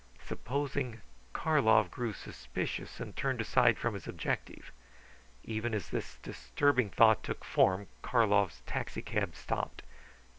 Supposing Karlov grew suspicious and turned aside from his objective? Even as this disturbing thought took form Karlov's taxicab stopped.